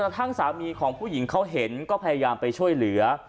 ทั้งสามีของผู้หญิงเขาเห็นก็พยายามไปช่วยเหลือ